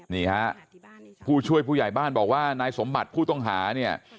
นี่ฮะผู้ช่วยผู้ใหญ่บ้านบอกว่านายสมบัติผู้ต้องหาเนี่ย